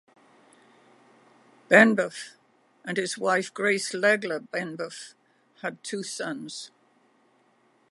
Benbough and his wife Grace Legler Benbough had two sons.